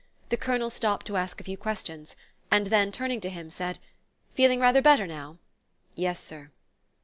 The Colonel stopped to ask a few questions, and then, turning to him, said: "Feeling rather better now?" "Yes, sir."